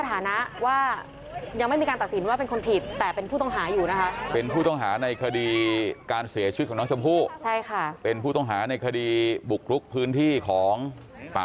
ก็ย้ำสถานะว่ายังไม่มีการตัดสินว่าเป็นคนผิด